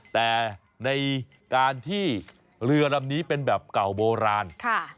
แต่ในการที่เรือลำนี้เป็นแบบเก่าโบราณ